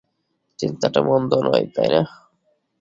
চিন্তাটা মন্দ নয়, তাই না?